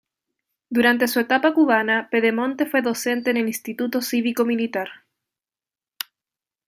Durante su etapa cubana, Pedemonte fue docente en el Instituto Cívico Militar.